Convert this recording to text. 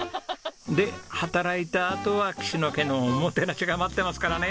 で働いたあとは岸野家のおもてなしが待ってますからね。